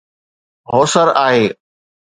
هوسر آهي